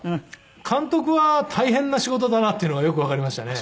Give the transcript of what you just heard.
監督は大変な仕事だなっていうのがよくわかりましたね。